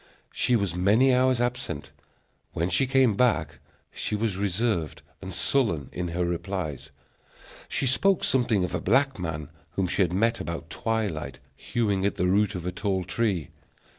She was many hours absent. When she came back, she was reserved and sullen in her replies. She spoke something of a black man, whom she had met about twilight hewing at the root of a tall tree.